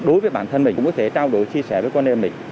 đối với bản thân mình cũng có thể trao đổi chia sẻ với con em mình